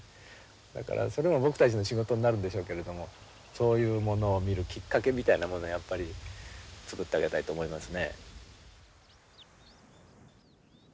だからそれも僕たちの仕事になるんでしょうけれどもそういうものを見るきっかけみたいなものをやっぱり作ってあげたいと思いますね。